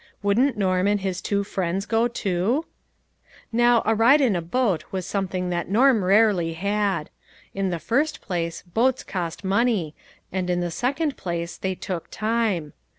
" Wouldn't Norm and his two friends go too ?" Now a ride in a boat was something that Norm rarely had. In the first place, boats cost money, and in the second place they took time.